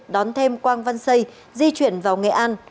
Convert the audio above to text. đón thêm quang văn xây di chuyển vào nghệ an